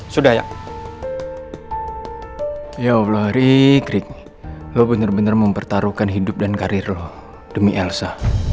sudah ya ya allah riki lu bener bener mempertaruhkan hidup dan karir lu demi elsa